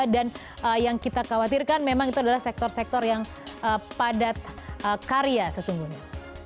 dan yang kita khawatirkan memang itu adalah sektor sektor yang padat karya sesungguhnya